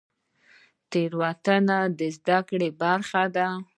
تیروتنه د زده کړې برخه ده